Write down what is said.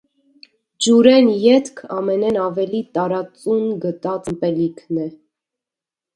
Ջուրէն ետք ամէնէն աւելի տարածուն գտած ըմպելիքն է։